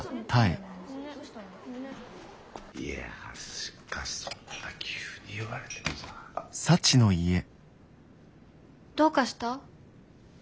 いやしかしそんな急に言われてもさ。どうかした？